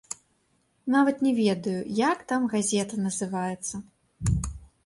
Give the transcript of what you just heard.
Нават не ведаю, як там газета называецца.